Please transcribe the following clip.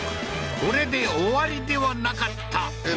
これで終わりではなかったえっ？